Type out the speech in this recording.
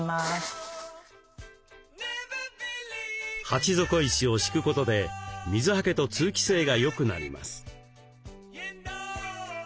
鉢底石を敷くことで水はけと通気性がよくなります。